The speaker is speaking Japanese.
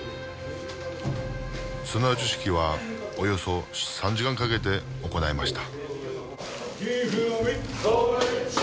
綱打ち式はおよそ３時間かけて行いました